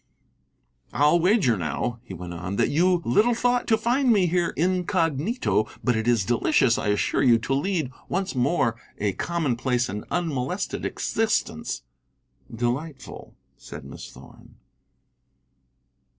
"I'll wager, now," he went on, "that you little thought to find me here incognito. But it is delicious, I assure you, to lead once more a commonplace and unmolested existence." "Delightful," said Miss Thorn.